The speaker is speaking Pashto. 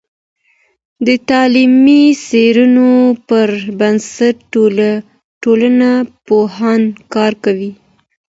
د تعلیمي څیړنو پر بنسټ ټولنپوهان کار کوي.